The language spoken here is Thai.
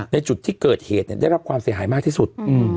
ในจุดที่เกิดเหตุได้รับความเสียหายมากที่สุด